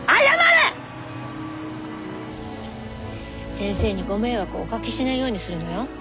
先生にご迷惑をおかけしないようにするのよ。